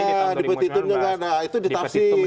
nggak ada dipetitumnya nggak ada itu ditafsir